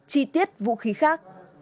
hết vũ khí khác